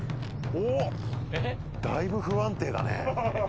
おっだいぶ不安定だね。